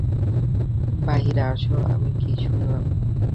বাহিরে আসো, আমি কি শুনলাম?